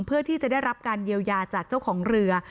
เพื่อที่จะได้รับการเยียวยาจากเจ้าของเรือ